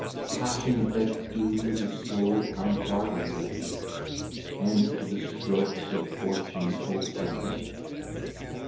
Passions that do the Soul unguarded lay, And to the strokes of Fortune ope' a way.